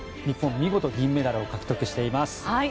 日本、見事銀メダルを獲得しています。